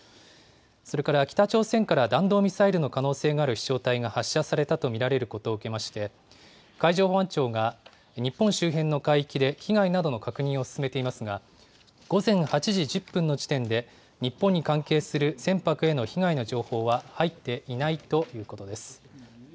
それから北朝鮮から弾道ミサイルの可能性がある飛しょう体が発射されたと見られることを受けまして、海上保安庁が日本周辺の海域で被害などの確認を進めていますが、午前８時１０分の時点で、日本に関係する船舶への被害の情報は入っていないということです。